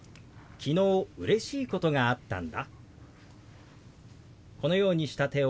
昨日うれしいことがあったんだ。